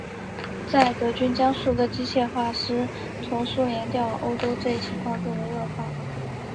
在德军将数个机械化师从苏联调往西欧后这一情况更为恶化。